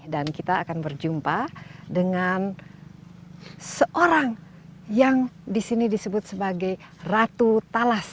dan kita akan berjumpa dengan seorang yang disini disebut sebagai ratu talas